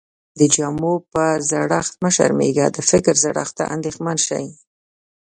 د جامو په زړښت مه شرمېږٸ، د فکر زړښت ته انديښمن سې.